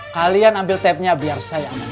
kalian ambil tapnya biar saya aman